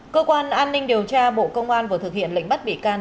cơ quan an ninh điều tra bộ công an vừa thực hiện lệnh bắt bị can